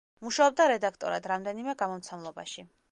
მუშაობდა რედაქტორად რამდენიმე გამომცემლობაში.